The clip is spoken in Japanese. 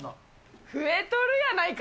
増えとるやないか。